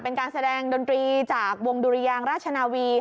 เป็นการแสดงดนตรีจากวงดุรยางราชนาวี